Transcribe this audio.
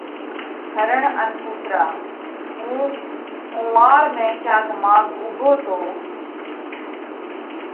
هرڻ ان ڪُوترا: هُون ۿُونَواڙ ۾ ڪياڪ ماڳ اُوڀو تو۔